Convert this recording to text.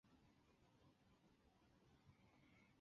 小枝具星状短柔毛。